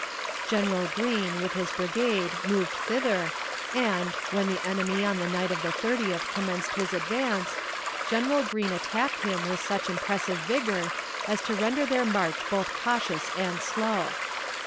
General Green with his brigade moved thither, and, when the enemy on the night of the 30th commenced his advance, General Green attacked him with such impressive vigor as to render their march both cautious and slow.